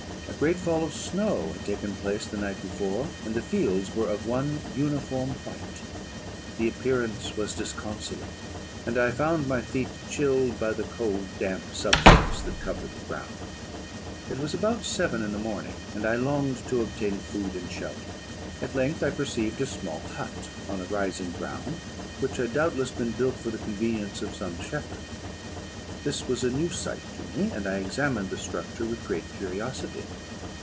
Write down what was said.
A great fall of snow had taken place the night before, and the fields were of one uniform white; the appearance was disconsolate, and I found my feet chilled by the cold damp substance that covered the ground. "It was about seven in the morning, and I longed to obtain food and shelter; at length I perceived a small hut, on a rising ground, which had doubtless been built for the convenience of some shepherd. This was a new sight to me; and I examined the structure with great curiosity.